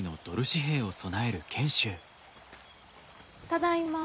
ただいま。